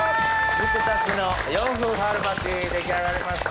ふくたちの洋風春巻き出来上がりました。